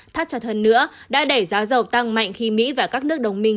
thắt cho thân nữa đã đẩy giá dầu tăng mạnh khi mỹ và các nước đồng minh